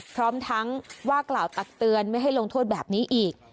พร้อมทั้งว่ากล่าวตักเตือนไม่ให้ลงโทษแบบนี้อีก